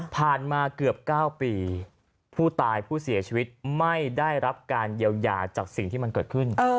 มาเกือบ๙ปีผู้ตายผู้เสียชีวิตไม่ได้รับการเยียวยาจากสิ่งที่มันเกิดขึ้น